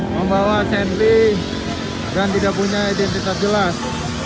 membawa senley dan tidak punya identitas jelas